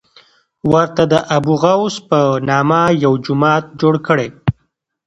ورته د ابوغوث په نامه یو جومات جوړ کړی.